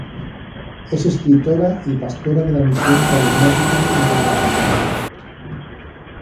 Es escritora y pastora de la Misión Carismática Internacional.